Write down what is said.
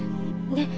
ねっ。